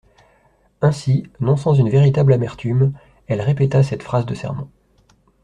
Ainsi, non sans une véritable amertume, elle répéta cette phrase de sermon.